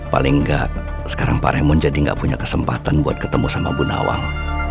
paling nggak sekarang pak remon jadi nggak punya kesempatan buat ketemu sama bu nawal